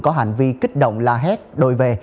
có hành vi kích động la hét đổi về